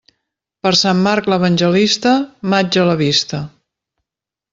Per Sant Marc l'evangelista, maig a la vista.